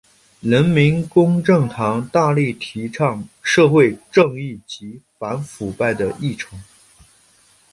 人民公正党大力提倡社会正义及反腐败的议程。